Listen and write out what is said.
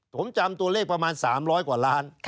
ผมจำตัวเลขประมาณ๓๐๐กว่าล้าน